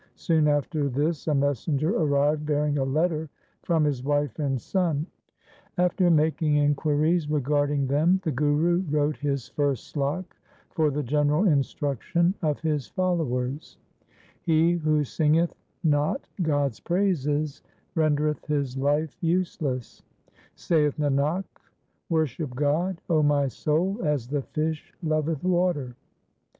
Soon after this a messenger arrived bearing a letter from his wife and son. After making inquiries regarding them, the Guru wrote his first slok for the general instruction of his followers :— He who singeth not God's praises rendereth his life useless ; Saith Nanak, worship God, O my soul, as the fish loveth water.